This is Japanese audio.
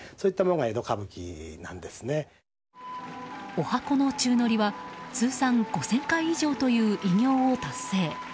十八番の宙乗りは通算５０００回以上という偉業を達成。